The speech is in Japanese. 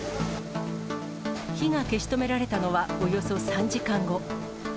火が消し止められたのはおよそ３時間後。